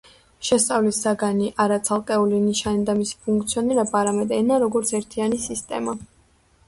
შესწავლის საგანია არა ცალკეული ნიშანი და მისი ფუნქციონირება, არამედ ენა, როგორც ერთიანი სისტემა.